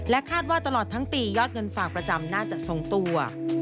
คาดว่าตลอดทั้งปียอดเงินฝากประจำน่าจะทรงตัว